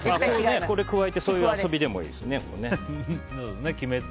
これ加えてそういう遊びでもいいですね。